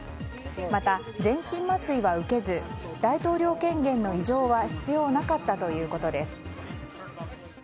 また、全身麻酔は受けず大統領権限の委譲は必要なかったということです。